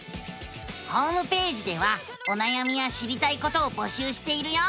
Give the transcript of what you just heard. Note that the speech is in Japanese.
ホームページではおなやみや知りたいことを募集しているよ！